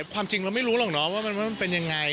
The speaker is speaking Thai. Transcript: ความจริงเราไม่รู้หรอกเนาะว่ามันเป็นยังไง